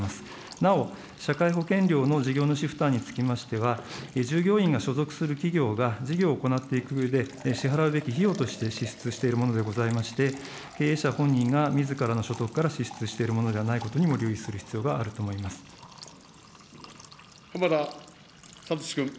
なお、社会保険料の事業主負担につきましては、従業員が所属する企業が事業を行っていくうえで、支払うべき費用として支出しているものでございまして、経営者本人がみずからの所得から支出しているものではないことにも留意す浜田聡君。